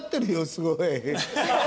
すごい。